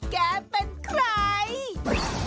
แกเป็นใคร